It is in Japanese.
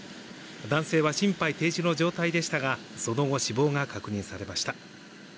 男性は心肺停止の状態でしたがその後死亡が確認されました。